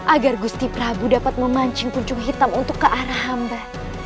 agar gusti prabu dapat memancing puncung hitam untuk ke arah hamba